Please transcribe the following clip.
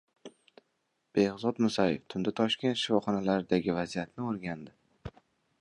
Behzod Musayev tunda Toshkent shifoxonalaridagi vaziyatni o‘rgandi